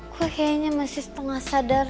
kok kayaknya masih setengah sadar